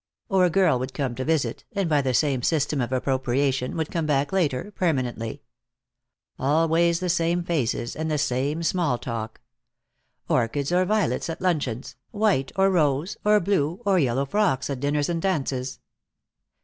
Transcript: Or a girl would come to visit, and by the same system of appropriation would come back later, permanently. Always the same faces, the same small talk. Orchids or violets at luncheons, white or rose or blue or yellow frocks at dinners and dances.